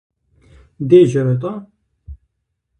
Дежьэрэ-тӀэ?